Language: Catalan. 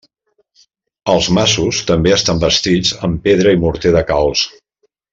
Els masos també estan bastits amb pedra i morter de calç.